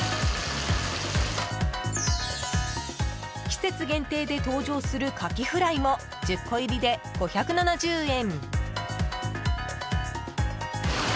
季節限定で登場するカキフライも１０個入りで５７０円。